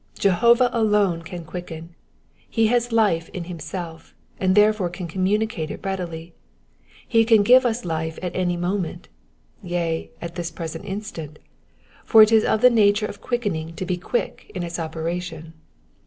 Jehovah alone can quicken : he has life in himself, and therefore can communicate it readily ; he can give us life at any moment, yea, at this present instant ; for it is of the nature of quickening to be quick in its operation.